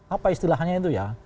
apa istilahnya itu ya